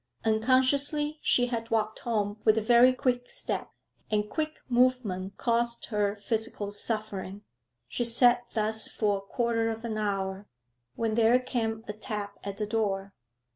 Unconsciously she had walked home with a very quick step, and quick movement caused her physical suffering. She sat thus for a quarter of an hour, when there came a tap at the door.